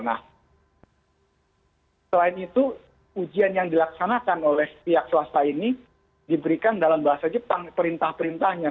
nah selain itu ujian yang dilaksanakan oleh pihak swasta ini diberikan dalam bahasa jepang perintah perintahnya